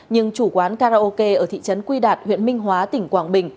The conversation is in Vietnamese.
nhưng chủ quán karaoke ở thị trấn quy đạt huyện minh hóa tỉnh quảng bình